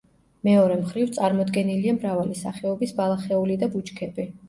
მეორე მხრივ, წარმოდგენილია მრავალი სახეობის ბალახეული და ბუჩქები.